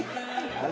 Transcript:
あれ？